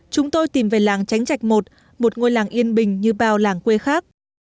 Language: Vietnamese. chúng tôi tìm về làng tránh trạch một một ngôi làng yên bình như bao làng quê khác